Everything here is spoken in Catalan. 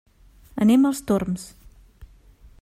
Anem als Torms.